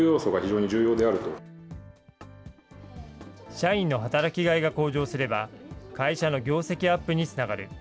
社員の働きがいが向上すれば、会社の業績アップにつながる。